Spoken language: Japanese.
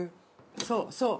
そうそう！